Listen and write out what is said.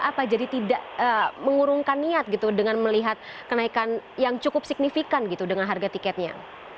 apa jadi tidak mengurungkan niat gitu dengan melihat kenaikan yang cukup signifikan gitu dengan harga tiketnya